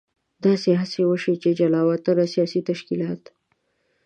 داسې هڅې وشوې چې جلا وطنه سیاسي تشکیلات.